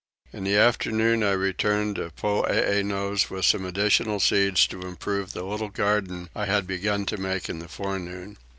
In the afternoon I returned to Poeeno's with some additional seeds to improve the little garden I had begun to make in the forenoon.